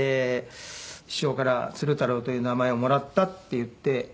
師匠から鶴太郎という名前をもらったって言って。